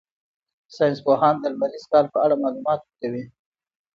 ساینس پوهان د لمریز کال په اړه معلومات ورکوي.